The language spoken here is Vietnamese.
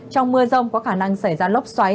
trong mưa rông có khả năng xảy ra lốc xoáy